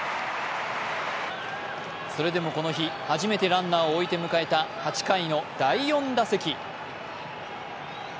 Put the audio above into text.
それでも、この日、初めてランナーを置いて迎えた８回の第４打席。